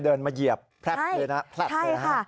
เดินมาเหยียบแพลตเลยนะ